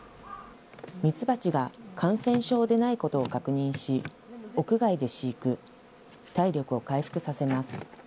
ミツバチが感染症でないことを確認し、屋外で飼育、体力を回復させます。